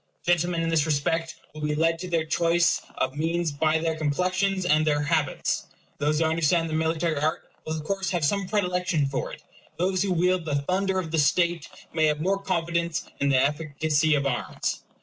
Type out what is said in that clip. Gentlemen in this respect will be led to their choice of means by their complexions and their habits. Those who understand the military art will of course have some predilection for it. Those who wield the thunder of the state may have more confidence in the efficacy of arms.